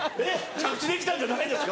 着地できたんじゃないですか？